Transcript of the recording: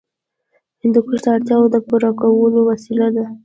هندوکش د اړتیاوو د پوره کولو وسیله ده.